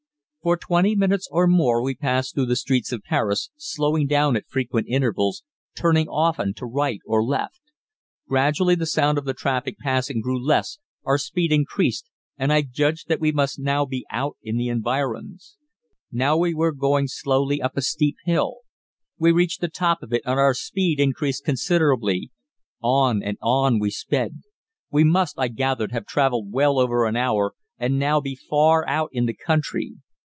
For twenty minutes or more we passed through the streets of Paris, slowing down at frequent intervals, turning often to right or left. Gradually the sound of the traffic passing grew less, our speed increased, and I judged that we must be out in the environs. Now we were going slowly up a steep hill. We reached the top of it, and our speed increased considerably. On and on we sped. We must, I gathered, have travelled well over an hour, and now be far out in the country.